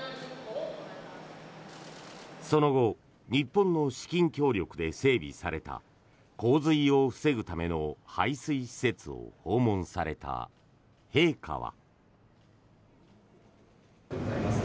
その後日本の資金協力で整備された洪水を防ぐための排水施設を訪問された陛下は。